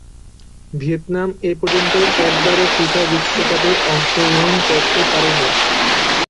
Vietnam এপর্যন্ত একবারও FIFA বিশ্বকাপে অংশগ্রহণ করতে পারেনি।